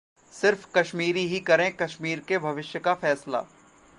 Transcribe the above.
'सिर्फ कश्मीरी ही करें कश्मीर के भविष्य का फैसला'